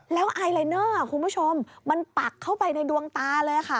แล้วไอลายเนอร์คุณผู้ชมมันปักเข้าไปในดวงตาเลยค่ะ